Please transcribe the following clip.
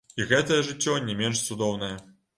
І гэтае жыццё не менш цудоўнае.